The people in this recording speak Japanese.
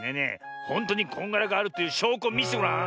ほんとにこんがらガールというしょうこをみせてごらん。